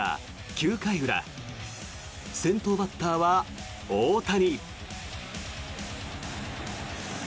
９回裏先頭バッターは大谷。